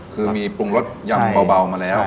คือมีปรุงรสอย่างเบามาแล้ว